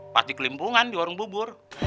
pasti kelimpungan di warung bubur